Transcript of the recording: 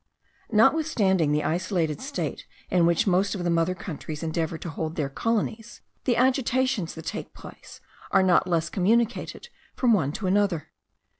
Notwithstanding the isolated state in which most of the mother countries endeavour to hold their colonies, the agitations that take place are not the less communicated from one to the other.